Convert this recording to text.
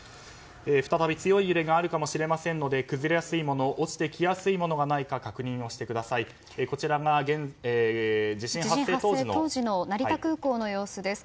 再び強い揺れがあるかもしれませんので崩れやすいもの落ちてきやすいものがないか地震発生当時の成田空港の様子です。